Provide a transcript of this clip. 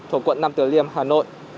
thuộc quận năm từ liêm hà nội